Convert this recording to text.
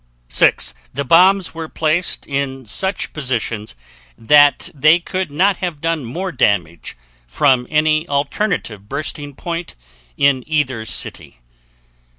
6. The bombs were placed in such positions that they could not have done more damage from any alternative bursting point in either city.